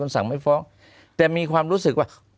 สั่งไม่ฟ้องแต่มีความรู้สึกว่า